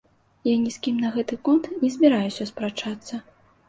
Я ні з кім на гэты конт не збіраюся спрачацца.